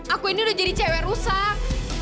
aku ini udah jadi cewek rusak